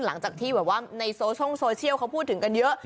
หลังจากที่แบบว่าในโซเชียลเขาพูดถึงกันเยอะ